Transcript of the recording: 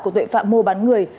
của tội phạm mua bán người